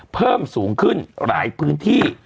เพิ่มสูงขึ้นหลายพื้นที่